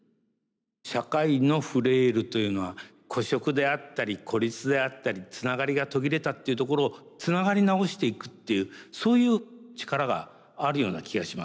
社会のフレイルというのは孤食であったり孤立であったりつながりが途切れたっていうところをつながり直していくっていうそういう力があるような気がします。